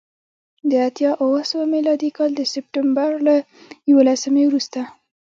د اتیا اوه سوه میلادي کال د سپټمبر له یوولسمې وروسته